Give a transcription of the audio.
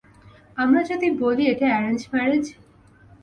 আমরা যদি বলি এটা এ্যারেঞ্জ ম্যারেজ?